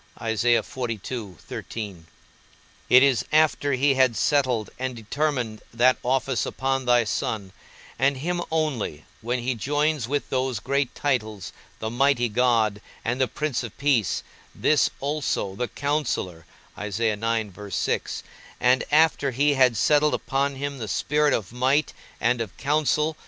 _ it is after he had settled and determined that office upon thy Son, and him only, when he joins with those great titles, the mighty God and the Prince of peace, this also, the Counsellor; and after he had settled upon him the spirit of might and of counsel.